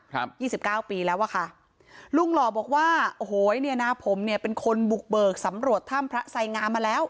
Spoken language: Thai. ยี่สิบเก้าปีแล้วอ่ะค่ะลุงหล่อบอกว่าโอ้โหเนี่ยนะผมเนี่ยเป็นคนบุกเบิกสำรวจถ้ำพระไสงามมาแล้ว